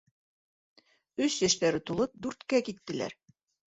Өс йәштәре тулып, дүрткә киттеләр.